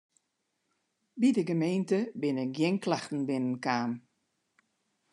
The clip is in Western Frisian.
By de gemeente binne gjin klachten binnen kaam.